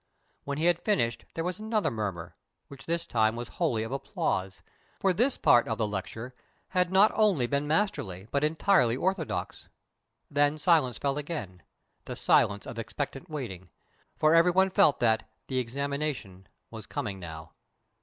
When he had finished there was another murmur, which this time was wholly of applause, for this part of the lecture had not only been masterly but entirely orthodox. Then silence fell again, the silence of expectant waiting, for every one felt that the "Examination" was coming now.